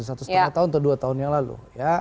satu setengah tahun atau dua tahun yang lalu